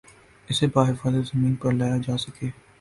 اسے بحفاظت زمین پر لایا جاسکے